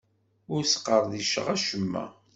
Ur sqerdiceɣ acemma.